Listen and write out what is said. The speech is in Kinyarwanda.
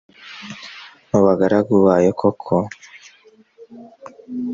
mu bagaragu bayo koko